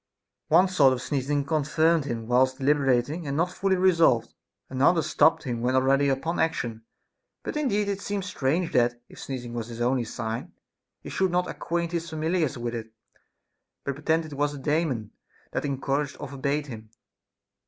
One sort of sneezing confirmed him whilst deliberating and not fully resolved ; another stopped him when al ready upon action. But indeed it seems strange that, if sneezing was his only sign, he should not acquaint his fam iliars with it, but pretend that it was a Daemon that en couraged or forbade him.